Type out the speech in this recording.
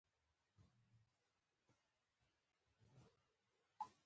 راځه چې کالیزه ونمانځو